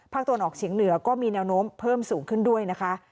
ตอนออกเฉียงเหนือก็มีแนวโน้มเพิ่มสูงขึ้นด้วยนะคะ